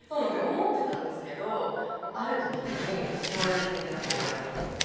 思ってたんですけどある時に衝撃的なこと言われたんですよ何？